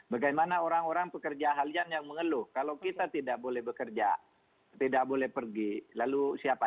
bagaimana orang orang pekerja halian yang mengeluh kalau kita tidak boleh bekerja tidak boleh pergi lalu siapa